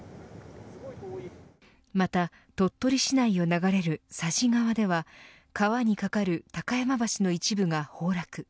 また鳥取市内を流れる佐治川では川に架かる高山橋の一部が崩落。